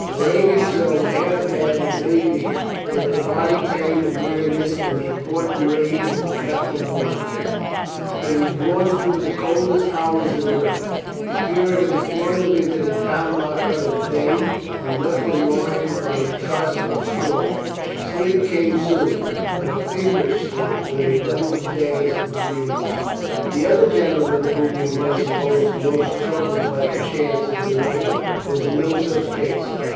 Raving so, half mad, it may be, with the body pain and weariness and the impotent rage of his baffled mind, he was borne through the coldest hours of the night. The Puritans flung him into the town lockup at Thame and left him lying on a truss of straw. Sleep came soon, but a feverish sleep with a devil's dance of dreams. The other gentleman whom you might suppose most troubled by the chance of the night was in no such case.